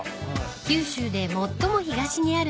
［九州で最も東にある町